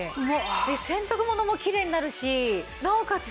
洗濯物もきれいになるしなおかつ